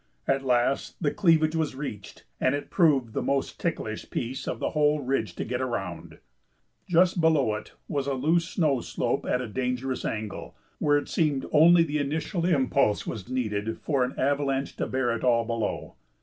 At last the cleavage was reached, and it proved the most ticklish piece of the whole ridge to get around. Just below it was a loose snow slope at a dangerous angle, where it seemed only the initial impulse was needed for an avalanche to bear it all below.